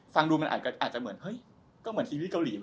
ฟังดูมันอาจจะเหมือนเฮ้ยก็เหมือนชีวิตเกาหลี